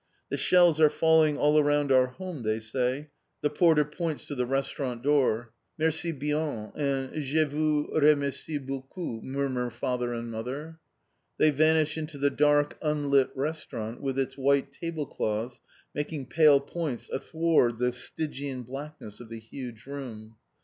"The shells are falling all around our home!" they say. The porter points to the restaurant door. "Merci bien," and "Je vous remerci beaucoup," murmur father and mother. They vanish into the dark, unlit restaurant with its white table cloths making pale points athward the stygian blackness of the huge room.